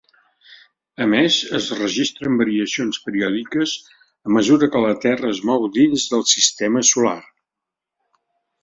A més, es registren variacions periòdiques a mesura que la Terra es mou dins del sistema solar.